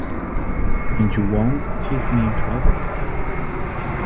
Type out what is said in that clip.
And you won't tease me in private?